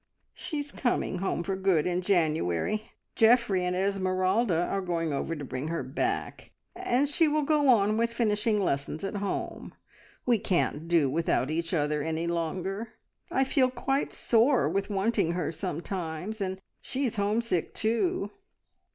"She is coming home for good in January. Geoffrey and Esmeralda are going over to bring her back, and she will go on with finishing lessons at home. We can't do without each other any longer. I feel quite sore with wanting her sometimes, and she is home sick too.